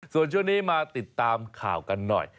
ส่วนช่วงนี้มาติดตามข่าวกันหน่อย